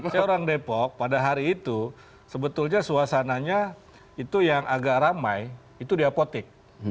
saya orang depok pada hari itu sebetulnya suasananya itu yang agak ramai itu di apotek